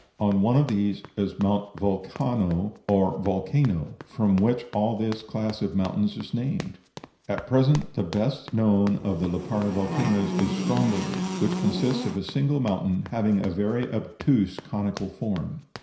On one of these is Mount Vulcano, or Volcano, from which all this class of mountains is named. At present the best known of the Lipari volcanoes is Stromboli, which consists of a single mountain, having a very obtuse conical form.